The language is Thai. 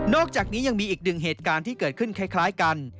อกจากนี้ยังมีอีกหนึ่งเหตุการณ์ที่เกิดขึ้นคล้ายกัน